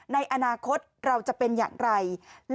ในอนาคตเราจะเป็นอย่างไร